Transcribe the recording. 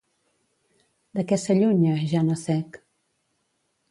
De què s'allunya Janácek?